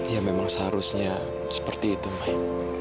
ya memang seharusnya seperti itu mai